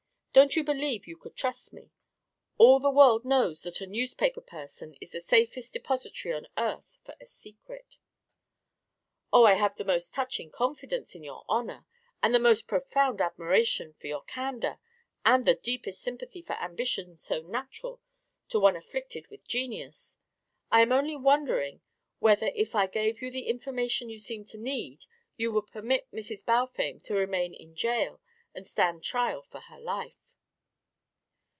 Don't you believe you could trust me? All the world knows that a newspaper person is the safest depository on earth for a secret." "Oh, I have the most touching confidence in your honour, and the most profound admiration for your candour, and the deepest sympathy for ambitions so natural to one afflicted with genius. I am only wondering whether if I gave you the information you seem to need you would permit Mrs. Balfame to remain in jail and stand trial for her life."